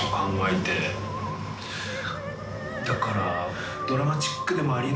だから。